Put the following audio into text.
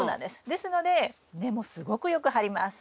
ですので根もすごくよく張ります。